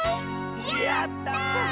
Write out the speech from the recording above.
やった！